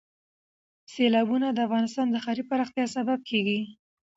سیلابونه د افغانستان د ښاري پراختیا سبب کېږي.